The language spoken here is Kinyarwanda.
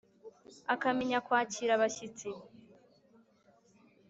akamenya kwakira abashyitsi.”